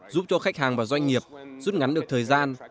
giúp cho khách hàng và doanh nghiệp rút ngắn được thời gian